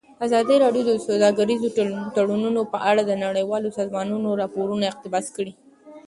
ازادي راډیو د سوداګریز تړونونه په اړه د نړیوالو سازمانونو راپورونه اقتباس کړي.